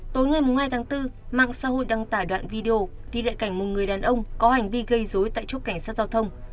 tối ngày hai tháng bốn mạng xã hội đăng tải đoạn video ghi lại cảnh một người đàn ông có hành vi gây dối tại chốt cảnh sát giao thông